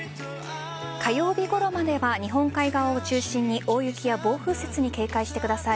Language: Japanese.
火曜日ごろまでは日本海側を中心に大雪や暴風雪に警戒してください。